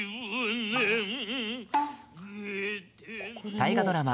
大河ドラマ